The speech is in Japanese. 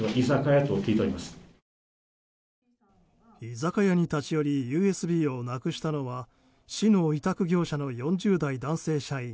居酒屋に立ち寄りＵＳＢをなくしたのは市の委託業者の４０代男性社員。